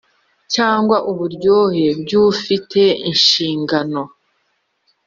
cyangwa uburyozwe by ufite inshingano